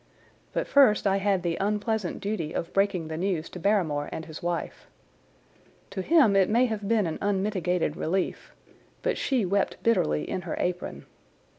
But first I had the unpleasant duty of breaking the news to Barrymore and his wife. To him it may have been an unmitigated relief, but she wept bitterly in her apron.